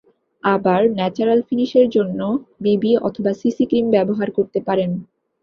আবার ন্যাচারাল ফিনিশের জন্য বিবি অথবা সিসি ক্রিম ব্যবহার করতে পারেন।